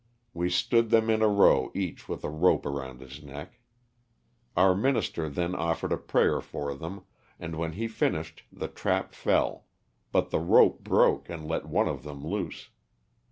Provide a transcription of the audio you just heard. We stood them in a row each with a rope around his neck. Our minister then offered a prayer for them, and when he finished the trap fell, but the rope broke and let one of them loose.